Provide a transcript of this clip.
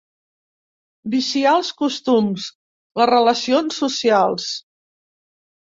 Viciar els costums, les relacions socials.